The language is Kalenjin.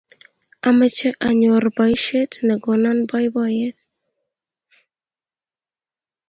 Amache anyor poisyet ne kono poipoyet